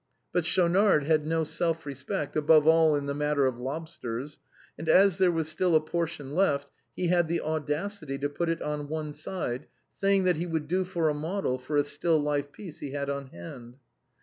But Schaunard had no self respect, above all in the matter of lobsters, and as there was still a portion left, he had the audacity to put it on one side, saying that it would do for a model for a still life piece he had on hand.